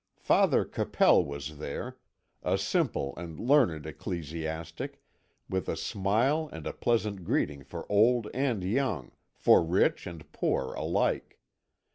Father Capel was there a simple and learned ecclesiastic, with a smile and a pleasant greeting for old and young, for rich and poor alike.